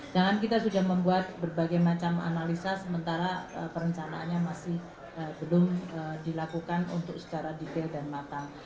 jangan kita sudah membuat berbagai macam analisa sementara perencanaannya masih belum dilakukan untuk secara detail dan matang